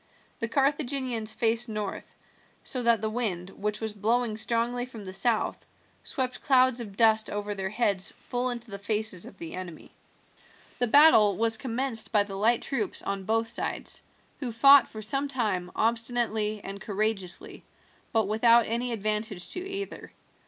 The Carthaginians faced north, so that the wind, which was blowing strongly from the south, swept clouds of dust over their heads full into the faces of the enemy. The battle was commenced by the light troops on both sides, who fought for some time obstinately and courageously, but without any advantage to either.